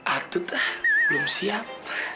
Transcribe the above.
atut belum siap